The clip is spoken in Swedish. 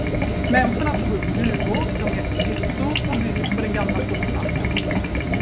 Människorna tog upp gruvor, de reste hyttor och bruk på den gamla skogsmarken.